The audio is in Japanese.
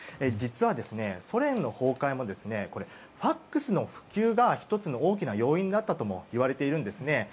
実はソ連の崩壊もＦＡＸの普及が１つの大きな要因になったともいわれているんです。